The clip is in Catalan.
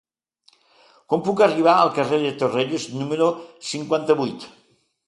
Com puc arribar al carrer de Torrelles número cinquanta-vuit?